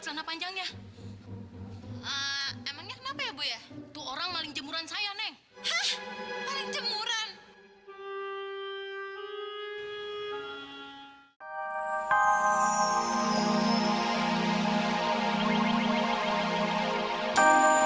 celana panjangnya emangnya kenapa ya bu ya tuh orang paling jemuran saya neng jemuran